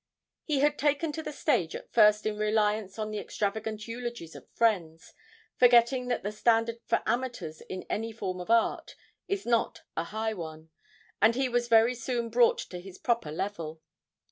He had taken to the stage at first in reliance on the extravagant eulogies of friends, forgetting that the standard for amateurs in any form of art is not a high one, and he was very soon brought to his proper level.